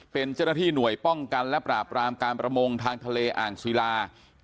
เป็นเจ้าหน้าที่หน่วยป้องกันและปราบรามการประมงทางทะเลอ่างศิลา